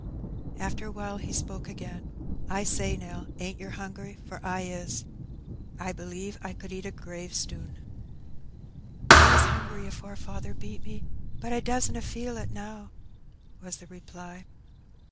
Afler awhile he spoke i^ain. "I say, Nell, ain't yer hungry? for I is. I believe I could eat a gravestnn." "I was hungry afore faather beat me, but I doesna feel ib now," was tiie reply.